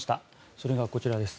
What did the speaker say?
それがこちらです。